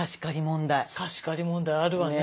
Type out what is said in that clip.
貸し借り問題あるわね。